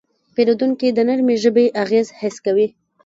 پیرودونکی د نرمې ژبې اغېز حس کوي.